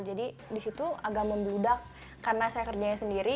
jadi di situ agak mendudak karena saya kerjanya sendiri